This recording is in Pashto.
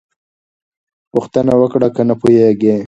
پوښتنه وکړه که نه پوهېږې.